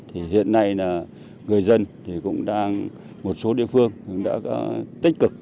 hiện nay người dân cũng đang một số địa phương đã tích cực